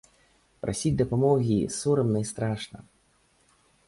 Прасіць дапамогі сорамна і страшна.